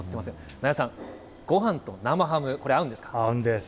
那谷さん、ごはんと生ハム、これ、合うんです。